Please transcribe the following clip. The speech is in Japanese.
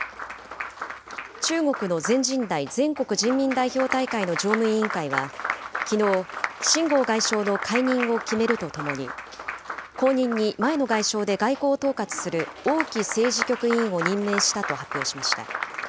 中国の全人代・全国人民代表大会の常務委員会は、きのう、秦剛外相の解任を決めるとともに、後任に前の外相で外交を統括する王毅政治局委員を任命したと発表しました。